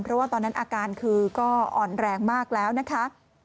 เพราะว่าตอนนั้นอาการคือก็อ่อนแรงมากแล้วนะคะ